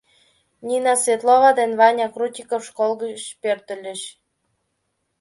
Нина Светлова ден Ваня Крутиков школ гыч пӧртылыныт.